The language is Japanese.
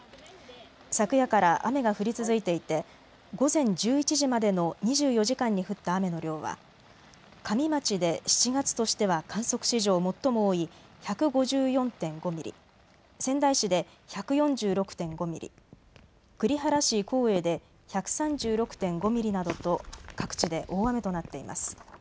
昨夜から雨が降り続いていて午前１１時までの２４時間に降った雨の量は加美町で７月としては観測史上最も多い１５４．５ミリ、仙台市で１４６．５ミリ、栗原市耕英で１３６．５ミリなどと各地で大雨となっています。